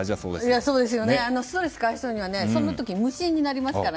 ストレス解消にはそういう時、無心になりますから。